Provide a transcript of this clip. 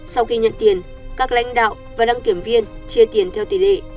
sau khi nhận tiền các lãnh đạo và đăng kiểm viên chia tiền theo tỷ lệ